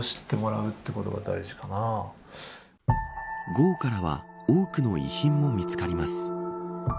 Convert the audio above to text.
壕からは多くの遺品も見つかります。